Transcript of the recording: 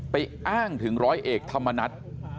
อ้างถึงร้อยเอกธรรมนัฐ